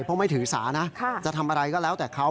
เพราะไม่ถือสานะจะทำอะไรก็แล้วแต่เขา